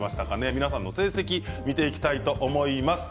皆さんの成績を見ていきたいと思います。